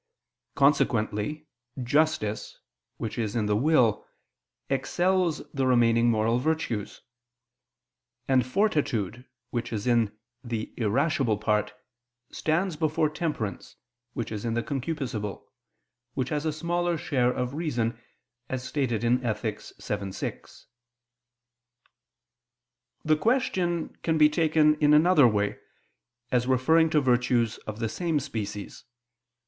Consequently justice, which is in the will, excels the remaining moral virtues; and fortitude, which is in the irascible part, stands before temperance, which is in the concupiscible, which has a smaller share of reason, as stated in Ethic. vii, 6. The question can be taken in another way, as referring to virtues of the same species.